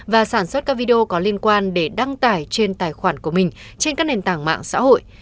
và sản xuất các video có liên quan để đăng tải trên tài khoản của mình trên các nền tảng mạng xã hội